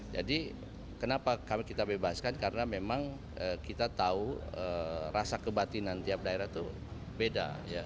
jadi kenapa kami kita bebaskan karena memang kita tahu rasa kebatinan tiap daerah itu beda